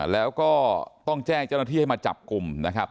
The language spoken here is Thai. แล้วก็ต้องแจ้งเจ้าหน้าที่ให้มาจับกลุ่มนะครับ